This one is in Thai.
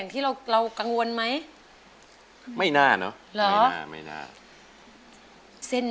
นี่แหละโอ๊ยตื่นเต้น